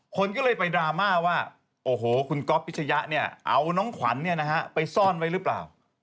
คนก็เลยไปดราม่าว่าโอ้โหคุณก๊อฟพิชยะเนี่ยเอาน้องขวัญไปซ่อนไว้หรือเปล่า